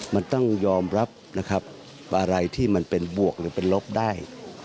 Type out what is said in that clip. มันต้องยอมรับนะครับอะไรที่มันเป็นบวกหรือเป็นลบได้